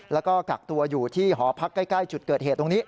แล้วก็กักตัวอยู่ที่หอพักใกล้จุดเกิดเหตุตรงนี้